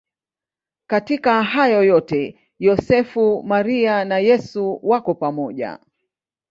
Katika hayo yote Yosefu, Maria na Yesu wako pamoja.